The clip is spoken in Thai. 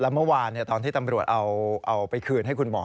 เมื่อวานตอนที่ตำรวจเอาไปคืนให้คุณหมอ